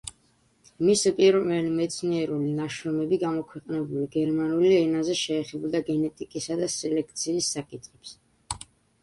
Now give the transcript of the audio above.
მისი პირველი მეცნიერული ნაშრომები, გამოქვეყნებული გერმანულ ენაზე შეეხებოდა გენეტიკისა და სელექციის საკითხებს.